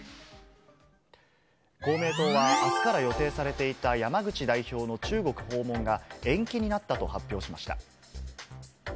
公明党は、あすから予定されていた山口代表の中国訪問が、延期になったと発表しました。